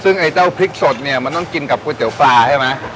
ซึ่งไอ้เจ้าพริกสดเนี่ยมันต้องกินกับก๋วยเตี๋ยวปลาใช่ไหม